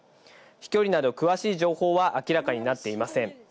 飛距離など詳しい情報は明らかになっていません。